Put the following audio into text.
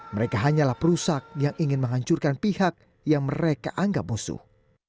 mereka hanyalah perusak yang ingin menghancurkan pihak yang mereka anggap musuh